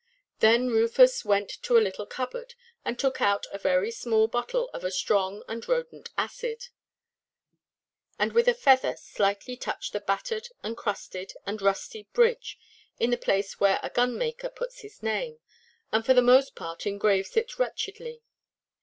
Then Rufus went to a little cupboard, and took out a very small bottle of a strong and rodent acid, and with a feather slightly touched the battered, and crusted, and rusty "bridge," in the place where a gunmaker puts his name, and for the most part engraves it wretchedly.